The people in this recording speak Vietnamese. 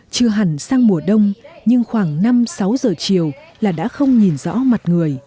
chưa hẳn sang mùa đông nhưng khoảng năm sáu giờ chiều là đã không nhìn rõ mặt người